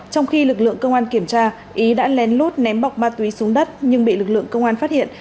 trong khi lực lượng công an kiểm tra ý đã lén lút ném bọc ma túy xuống đất nhưng bị lực lượng công an phát hiện